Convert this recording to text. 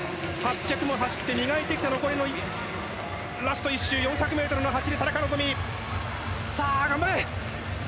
走って磨いてきたラスト１周、４００ｍの走り、田中希実。